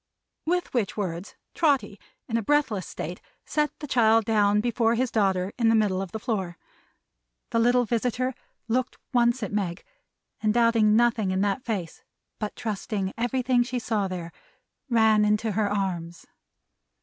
With which words Trotty, in a breathless state, set the child down before his daughter in the middle of the floor. The little visitor looked once at Meg; and doubting nothing in that face, but trusting everything she saw there; ran into her arms.